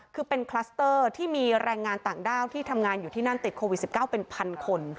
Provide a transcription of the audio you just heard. คือเป็นคลัสเตอร์ที่มีแรงงานต่างด้าวที่ทำงานอยู่ที่นั่นติดโควิด๑๙เป็นพันคน